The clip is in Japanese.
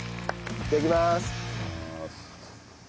いただきます。